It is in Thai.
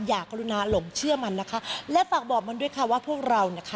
กรุณาหลงเชื่อมันนะคะและฝากบอกมันด้วยค่ะว่าพวกเรานะคะ